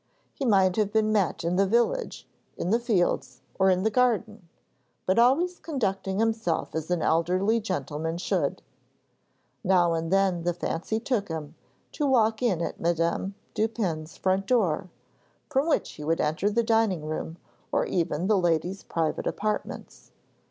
He might have been met in the village, in the fields, or in the garden, but always conducting himself as an elderly gentleman should. Now and then the fancy took him to walk in at Madame Dupin's front door, from which he would enter the dining room or even the lady's private apartments.